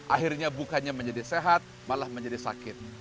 akhirnya bukannya menjadi sehat malah menjadi sakit